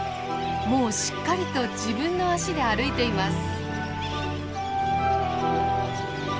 もうしっかりと自分の脚で歩いています。